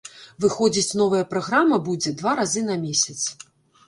Выходзіць новая праграма будзе два разы на месяц.